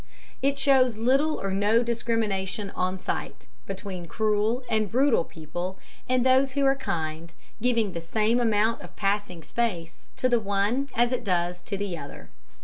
It shows little or no discrimination on sight, between cruel and brutal people and those who are kind, giving the same amount of passing space to the one as it does to the other.